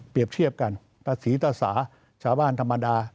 เปรียบเชียบกันภาษีตระสาชาวบ้านธรรมดา